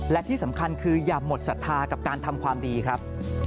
และที่สำคัญคืออย่าหมดศรัทธากับการทำความดีครับ